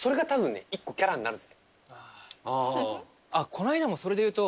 こないだもそれで言うと